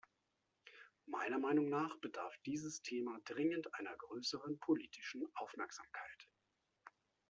Meiner Meinung nach bedarf dieses Thema dringend einer größeren politischen Aufmerksamkeit.